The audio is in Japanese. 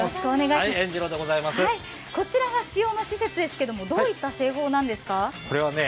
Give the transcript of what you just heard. こちらが塩の施設ですけれどもどういった製法なんですか？